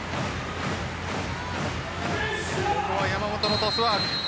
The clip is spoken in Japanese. ここは山本のトスワーク。